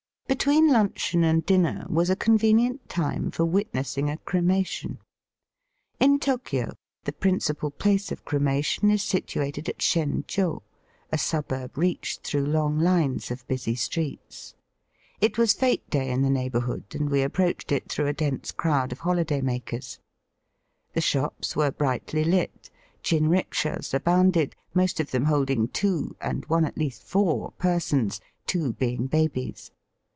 Between luncheon and dinner was a con venient time for witnessing a cremation. In Tokio, the principal place of cremation is situated at Shen jo, a suburb reached through long lines of busy streets. It was fete day in the neighbourhood, and we approached it through a dense crowd of hoUday makers. The shops were brightly lit. Jinrikshas abounded, most of them holding two, and one at least four, persons, two being babies.